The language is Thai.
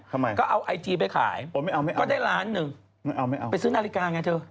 ทำไมก็เอาไอจีไปขายไม่เอาก็ได้ล้านหนึ่งเอาไปซื้อนาฬิกาไงเธอ